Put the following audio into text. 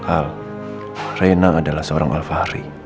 al rena adalah seorang alfahri